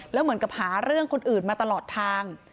แล้วเหมือนกับหาเรื่องคนอื่นมาตลอดทาง